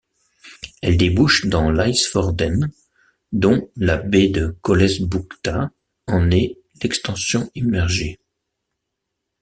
Elle débouche dans l'Isfjorden, dont la baie de Colesbukta en est l'extension immergée.